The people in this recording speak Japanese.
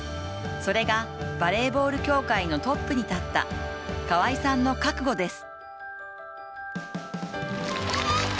それがバレーボール協会のトップに立った川合さんの覚悟です。